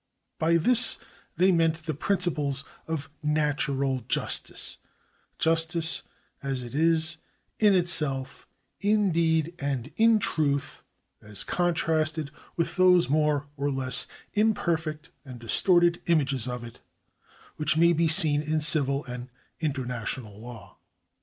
By this they meant the principles of natural justice — justice as it is in itself, in deed and in truth, as 1 A 2 THE SCIENCE OF JURISPRUDENCE [§ 1 contrasted with those more or less imperfect and distorted images of it which may be seen in civil and international law.